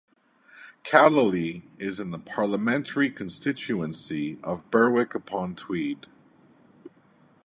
Callaly is in the parliamentary constituency of Berwick-upon-Tweed.